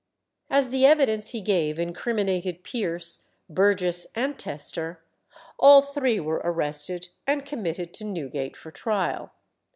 As the evidence he gave incriminated Pierce, Burgess, and Tester, all three were arrested and committed to Newgate for trial.